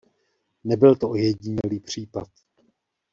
Nebyl to ojedinělý případ.